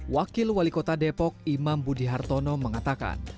wakil wali kota depok imam budi hartono mengatakan